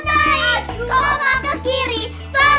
turun koma ke kanan